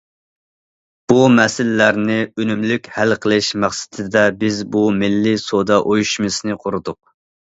بۇ مەسىلىلەرنى ئۈنۈملۈك ھەل قىلىش مەقسىتىدە بىز بۇ مىللىي سودا ئۇيۇشمىسىنى قۇردۇق.